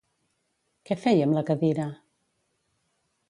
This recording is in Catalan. Què feia amb la cadira?